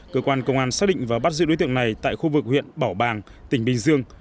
cơ quan công an xác định và bắt giữ đối tượng này tại khu vực huyện bảo bàng tỉnh bình dương